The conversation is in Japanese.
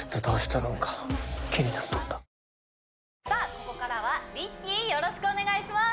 ここからはＲＩＣＫＥＹよろしくお願いします